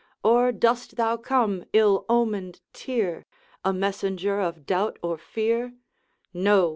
Or dost thou come, ill omened tear! A messenger of doubt or fear? No!